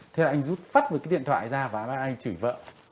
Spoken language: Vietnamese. thế anh rút phát một cái điện thoại ra và anh chửi vợ